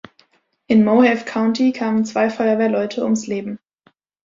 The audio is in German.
Im Mohave County kamen zwei Feuerwehrleute ums Leben.